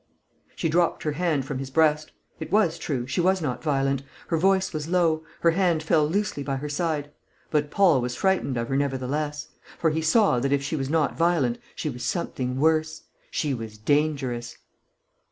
She dropped her hand from his breast. It was true, she was not violent. Her voice was low; her hand fell loosely by her side. But Paul was frightened of her, nevertheless; for he saw that if she was not violent, she was something worse she was dangerous.